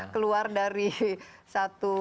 keluar dari satu